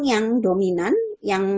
yang dominan yang